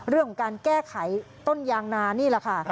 เรื่องของการแก้ไขต้นยางนานี่แหละค่ะ